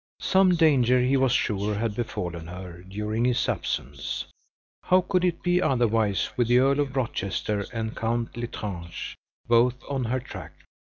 Some danger, he was sure, had befallen her during his absence how could it be otherwise with the Earl of Rochester and Count L'Estrange both on her track?